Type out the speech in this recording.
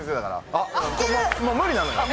無理なのよ。